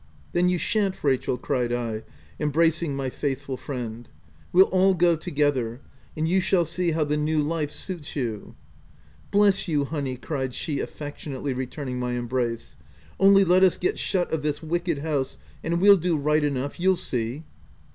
" Then you shan't, Rachel !'■ cried I, em bracing my faithful friend. "We'll all go to gether, and you shall see how the new life suits you." u Bless you, honey ["■ cried she affectionately returning my embrace. u Only let us get shut of this wicked house and we'll do right enough, you'll see."